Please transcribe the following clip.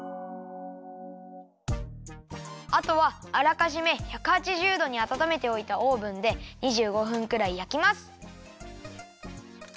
あとはあらかじめ１８０どにあたためておいたオーブンで２５分くらいやきます。